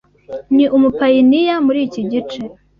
Ni umupayiniya muriki gice.